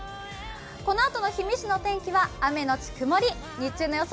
このあとの氷見市の天気は雨のち曇り日中の予想